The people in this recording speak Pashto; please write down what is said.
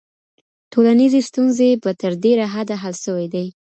ټولنيزې ستونزې به تر ډېره حده حل سوي وي.